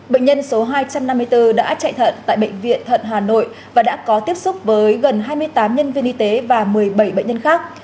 bệnh nhân số hai trăm năm mươi bốn đã chạy thận tại bệnh viện thận hà nội và đã có tiếp xúc với gần hai mươi tám nhân viên y tế và một mươi bảy bệnh nhân khác